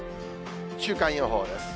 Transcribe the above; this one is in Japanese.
週間予報です。